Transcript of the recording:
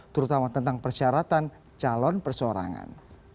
terutama tentang persyaratan calon persorangan